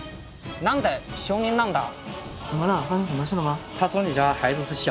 何で小人なんだ